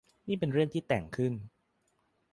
นี่เป็นเรื่องที่แต่งขึ้น